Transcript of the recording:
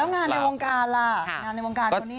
งานในวงการล่ะงานในวงการคนนี้